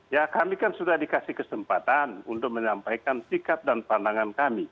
ya kami kan sudah dikasih kesempatan untuk menyampaikan sikap dan pandangan kami